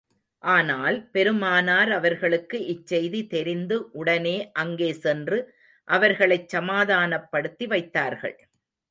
ஆனால், பெருமானார் அவர்களுக்கு இச்செய்தி தெரிந்து உடனே அங்கே சென்று அவர்களைச் சமாதானப்படுத்தி வைத்தார்கள்.